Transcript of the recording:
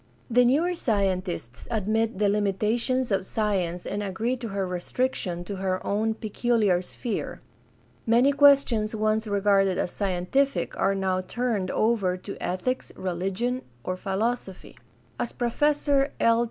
The newer scientists admit the limitations of science and agree to her restriction to her own peculiar sphere. Many questions once regarded as scientific are now turned over to ethics, religion, or philosophy. As Professor L.